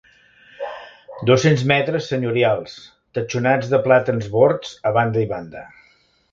Dos-cents metres senyorials, tatxonats de plàtans bords a banda i banda.